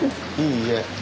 いいえ。